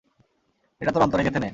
এটা তোর অন্তরে গেঁথে নে।